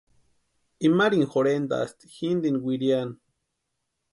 Imarini jorhentʼasti jintini wiriani.